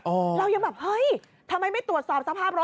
เรายังแบบเฮ้ยทำไมไม่ตรวจสอบสภาพรถ